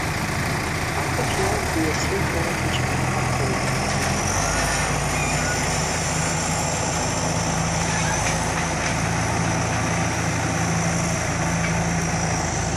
Акыт йауакву йацынхауата йчпара атахъын.